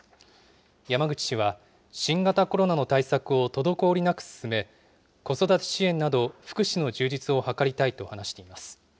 山口氏は、新型コロナの対策を滞りなく進め、子育て支援など、福祉の充実を図りたいと話しています。